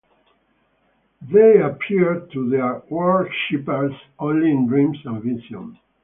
They appeared to their worshippers only in dreams and visions.